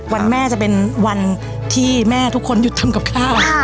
แม่จะเป็นวันที่แม่ทุกคนหยุดทำกับข้าว